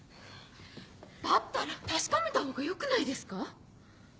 だったら確かめたほうがよくないですか？